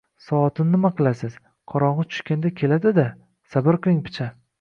— Soatini nima qilasiz? Qorong‘i tushganda keladi-da? Sabr qiling picha!